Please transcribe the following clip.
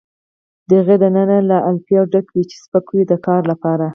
د هغې دننه له الیافو ډک وي چې سپک وي د کار لپاره.